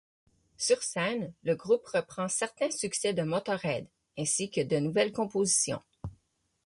Sur scène, le groupe reprend certains succès de Motörhead, ainsi que de nouvelles compositions.